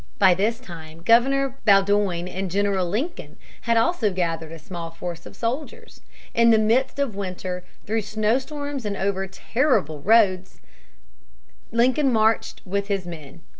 By this time Governor Bowdoin and General Lincoln also had gathered a small force of soldiers. In the midst of winter, through snowstorms and over terrible roads, Lincoln marched with his men.